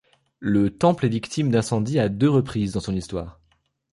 Le temple est victime d'incendie à deux reprises dans son histoire.